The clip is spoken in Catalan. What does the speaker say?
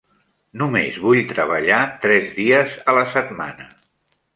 Només vull treballar tres dies a la setmana.